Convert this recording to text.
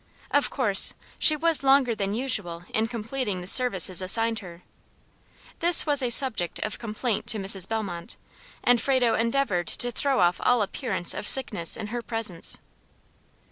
Of course she was longer than usual in completing the services assigned her. This was a subject of complaint to Mrs. Bellmont; and Frado endeavored to throw off all appearance of sickness in her presence.